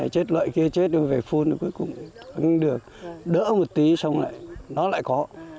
chết loại kia chết rồi về phun cuối cùng ăn được đỡ một tí xong lại nó lại có